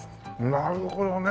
なるほどね。